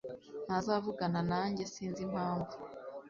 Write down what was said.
ntazavugana nanjye sinzi impamvu.